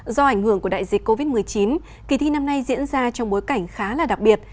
do ảnh hưởng của đại dịch covid một mươi chín kỳ thi năm nay diễn ra trong bối cảnh khá là đặc biệt